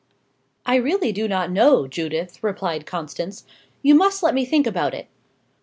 "I really do not know, Judith," replied Constance. "You must let me think about it."